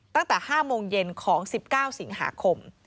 ตั้งแต่๕โมงเย็นของ๑๙สิงหาคม